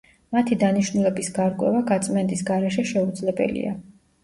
მათი დანიშნულების გარკვევა გაწმენდის გარეშე შეუძლებელია.